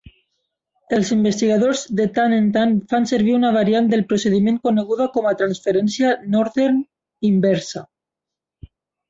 Els investigadors de tant en tant fan servir una variant del procediment coneguda com a transferència Northern inversa.